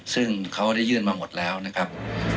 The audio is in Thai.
ซึ่งเขาได้ยื่นมาหมดแล้วนะครับ